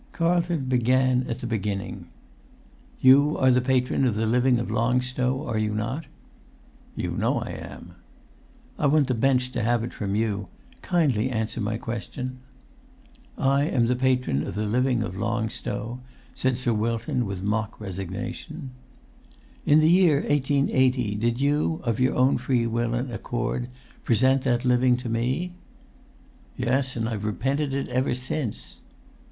Carlton began at the beginning. "You are the patron of the living of Long Stow, are you not?" "You know I am." "I want the bench to have it from you; kindly answer my question." "I am the patron of the living of Long Stow," said Sir Wilton, with mock resignation. "In the year 1880 did you, of your own free will and accord, present that living to me?" "Yes, and I've repented it ever since!"